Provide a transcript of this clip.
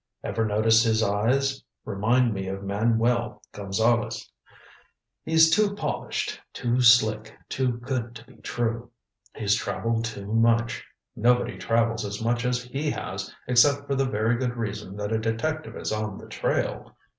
Ever notice his eyes remind me of Manuel Gonzale's. He's too polished, too slick, too good to be true. He's traveled too much nobody travels as much as he has except for the very good reason that a detective is on the trail.